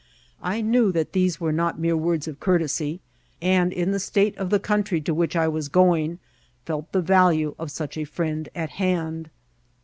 I knew that these were not mere words of courtesy, and, in the state of the country to which I was going, felt the value of such a friend at hand.